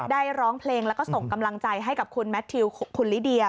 ร้องเพลงแล้วก็ส่งกำลังใจให้กับคุณแมททิวคุณลิเดีย